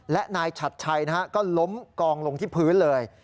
และนายฉัดชัยก็ล้มกองลงที่พื้นเลย